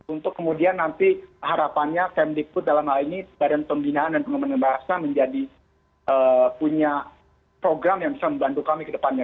untuk kemudian nanti harapannya kemdikbud dalam hal ini badan pembinaan dan pengembangan bahasa menjadi punya program yang bisa membantu kami ke depannya